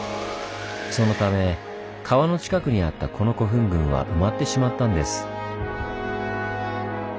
そのため川の近くにあったこの古墳群は埋まってしまったんです。